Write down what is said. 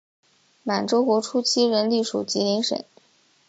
满洲国初期仍隶属吉林省。